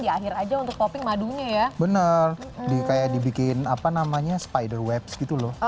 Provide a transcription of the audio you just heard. di akhir aja untuk topping madunya ya bener di kayak dibikin apa namanya spiderwebs gitu loh